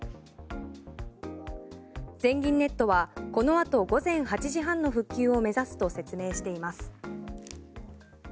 全銀ネットはこのあと午前８時半の復旧を目指すと説明しています。